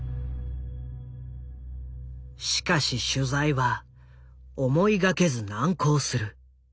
しかし取材は思いがけず難航する。